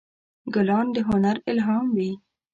ګلان د هنر الهام وي.